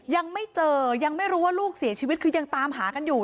ยังไม่เจอยังไม่รู้ว่าลูกเสียชีวิตคือยังตามหากันอยู่